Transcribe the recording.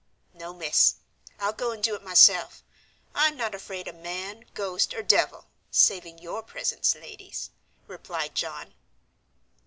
"No, miss. I'll go and do it myself; I'm not afraid of man, ghost, or devil, saving your presence, ladies," replied John.